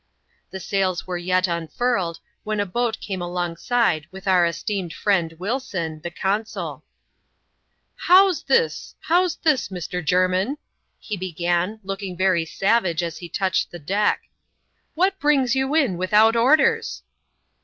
The sails were yet unfurled, when a boat came alongside witl; our esteemed friend Wilson, the consuL "How's this, how's this, Mr, Jermin.'*" he began, locking very savage as he touched the deck. " What brings you ir without orders?"